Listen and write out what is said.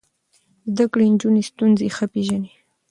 زده کړې نجونې ستونزې ښه پېژني.